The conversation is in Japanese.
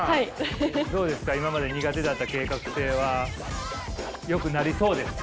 どうですか今まで苦手だった計画性はよくなりそうですか。